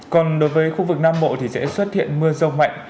còn đối với khu vực nam bộ thì sẽ xuất hiện mưa rông mạnh